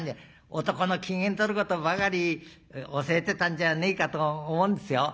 男の機嫌とることばかり教えてたんじゃねえかと思うんですよ。